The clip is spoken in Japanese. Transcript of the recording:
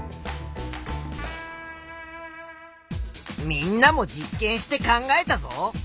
みんなも実験して考えたぞ。